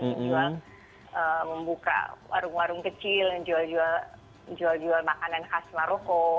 yang jual membuka warung warung kecil yang jual jual makanan khas maroko